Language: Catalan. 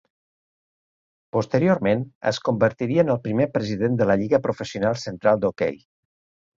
Posteriorment es convertiria en el primer president de la Lliga Professional Central d'Hoquei.